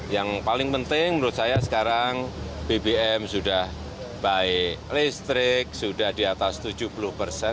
yang paling penting menurut saya sekarang bbm sudah baik listrik sudah di atas tujuh puluh persen